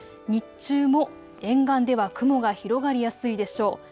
日中も沿岸では雲が広がりやすいでしょう。